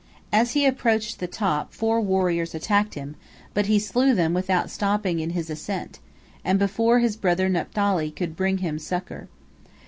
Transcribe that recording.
As he approached the top, four warriors attacked him, but he slew them without stopping in his ascent, and before his brother Naphtali could bring him succor.